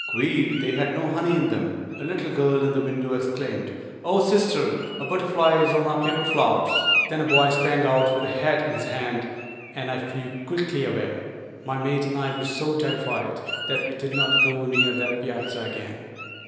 Queer: they had no honey in them. A little girl in the window exclaimed, "Oh, sister! a butterfly is on our paper flowers." Then a boy sprang out with a hat in his hand and I flew quickly away. My mate and I were so terrified that we did not go near that piazza again.